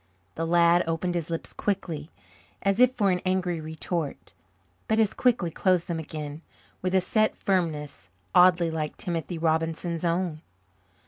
The lad opened his lips quickly, as if for an angry retort, but as quickly closed them again with a set firmness oddly like Timothy Robinson's own.